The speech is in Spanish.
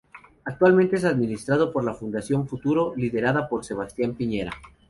Actualmente es administrado por la Fundación Futuro, liderada por Sebastián Piñera.